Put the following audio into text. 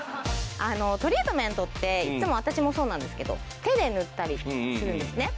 トリートメントっていつも私もそうなんですけど手で塗ったりするんですね。